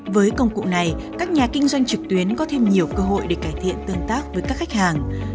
với công cụ này các nhà kinh doanh trực tuyến có thêm nhiều cơ hội để cải thiện tương tác với các khách hàng